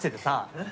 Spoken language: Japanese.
えっ？